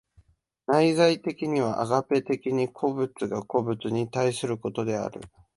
内在的にはアガペ的に個物が個物に対することである。